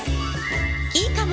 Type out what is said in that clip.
いいかも！